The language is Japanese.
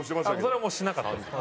それはしなかったです。